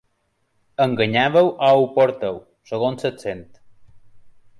Enganyàveu o ho porteu, segons l'accent.